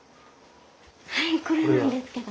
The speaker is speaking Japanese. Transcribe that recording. はいこれなんですけど。